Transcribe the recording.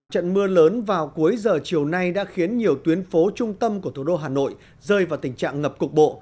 trận mưa lớn vào cuối giờ chiều nay đã khiến nhiều tuyến phố trung tâm của thủ đô hà nội rơi vào tình trạng ngập cục bộ